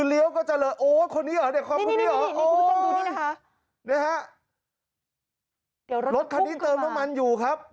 เหลียวเข้ามาเลยใช่ไหมครับ